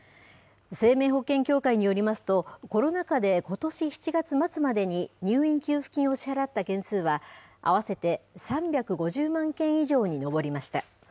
生命保険協会によりますと、コロナ禍でことし７月末までに入院給付金を支払った件数は、合わせて３５０万件以上に上りました。